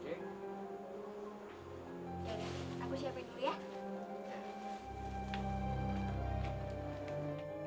ya aku siapin dulu ya